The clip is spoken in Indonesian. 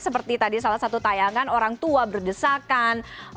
seperti tadi salah satu tayangan orang tua berdesakan